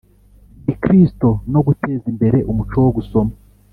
gikristo no guteza imbere umuco wo gusoma